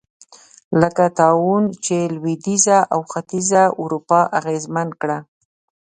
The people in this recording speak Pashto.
لکه طاعون چې لوېدیځه او ختیځه اروپا اغېزمن کړه.